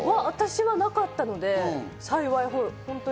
私はなかったので、幸い。